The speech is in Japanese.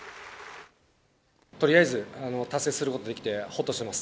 とりあえず達成することができてほっとしています。